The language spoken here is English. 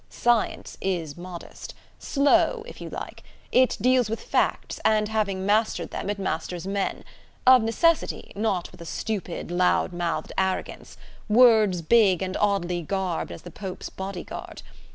Science is modest; slow, if you like; it deals with facts, and having mastered them, it masters men; of necessity, not with a stupid, loud mouthed arrogance: words big and oddly garbed as the Pope's body guard.